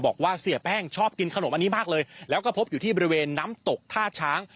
บอกว่าเสียแป้งชอบกินขนมอันนี้มากเลยแล้วก็พบอยู่ที่บริเวณน้ำตกท่าช้าง